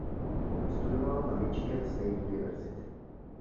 Studoval na Michigan State University.